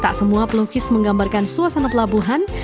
tak semua pelukis menggambarkan suasana pelabuhan